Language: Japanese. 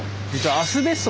アスベスト！